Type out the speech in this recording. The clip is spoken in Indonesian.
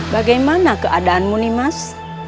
bagaimana keadaanmu nih mas